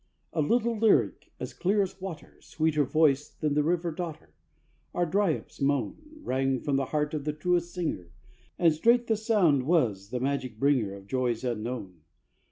A little lyric, as clear as water, Sweeter voiced than the river daughter, Or Dryope's moan, Rang from the heart of the truest singer, And straight the sound was the magic bringer Of joys unknown.